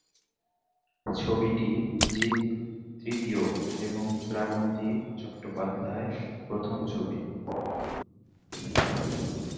ছবিটি জিৎ তৃতীয় এবং শ্রাবন্তী চট্টোপাধ্যায় প্রথম ছবি।